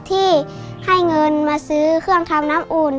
ที่ให้เงินมาซื้อเครื่องทำน้ำอุ่น